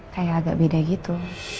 kayak agak beda gitu